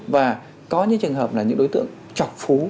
và có những trường hợp là những đối tượng trọng phú